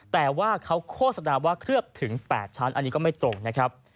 แต่ว่าเขาโฆษณาว่าเคลือบถึง๘ชั้นอันนี้ก็ไม่ตรงนะครับ